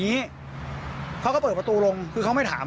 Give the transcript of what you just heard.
นี้เขาก็เปิดประตูลงคือเขาไม่ถาม